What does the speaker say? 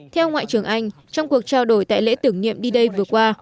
theo ngoại trưởng anh trong cuộc trao đổi tại lễ tưởng nhiệm d day vừa qua